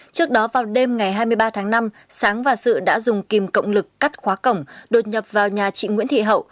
trước đó vào đêm ngày hai mươi ba tháng năm sáng và sự đã dùng kìm cộng lực cắt khóa cổng đột nhập vào nhà chị nguyễn thị hậu